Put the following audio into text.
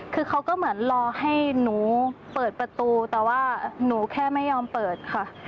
คือเขาก็เหมือนรอให้หนูเปิดประตูแต่ว่าหนูแค่ไม่ยอมเปิดค่ะ